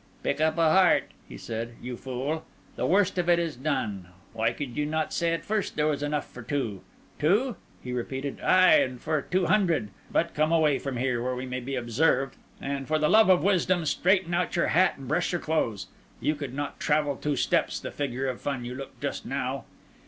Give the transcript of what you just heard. "Pick up a heart," he said, "you fool! The worst of it is done. Why could you not say at first there was enough for two? Two?" he repeated, "aye, and for two hundred! But come away from here, where we may be observed; and, for the love of wisdom, straighten out your hat and brush your clothes. You could not travel two steps the figure of fun you look just now."